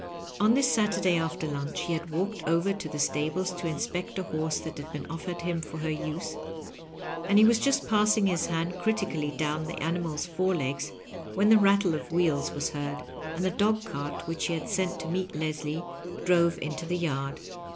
On this Saturday after lunch he had walked over to the stables to inspect a horse that had been ofiered him for her use, and he was just passing his hand critically down the animal's fore legs when the rattle of wheels was heard, and the dog cart which he had sent to meet Leslie drove into the yard.